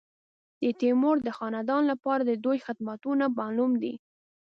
د تیمور د خاندان لپاره د دوی خدمتونه معلوم دي.